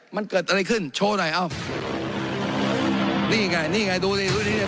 มันเกิดอะไรขึ้นโชว์หน่อยเอ้านี่ไงนี่ไงดูนี่ดูนี่เนี้ย